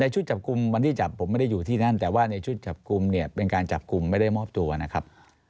ชุดจับกลุ่มวันที่จับผมไม่ได้อยู่ที่นั่นแต่ว่าในชุดจับกลุ่มเนี่ยเป็นการจับกลุ่มไม่ได้มอบตัวนะครับ